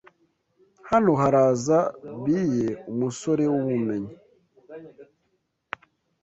Hano haraza Biye Umusore wubumenyi